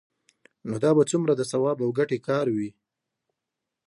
نو دا به څومره د ثواب او ګټې کار وي؟